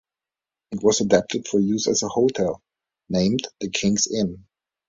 It was adapted for use as a hotel named the King's Inn.